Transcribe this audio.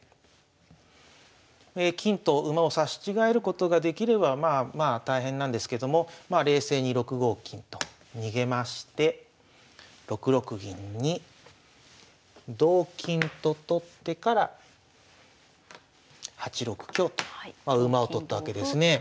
金と馬を刺し違えることができればまあ大変なんですけどもまあ冷静に６五金と逃げまして６六銀に同金と取ってから８六香とまあ馬を取ったわけですね。